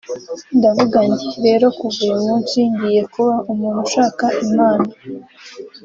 ndavuga nti ’rero kuva uyu munsi ngiye kuba umuntu ushaka Imana